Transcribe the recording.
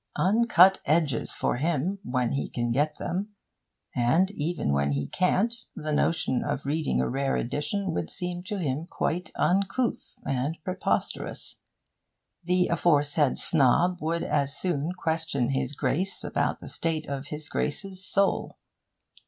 'Uncut edges' for him, when he can get them; and, even when he can't, the notion of reading a rare edition would seem to him quite uncouth and preposterous The aforesaid snob would as soon question His Grace about the state of His Grace's soul.